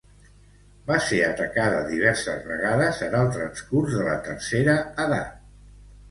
Va ser atacada diverses vegades en el transcurs de la tercera edat.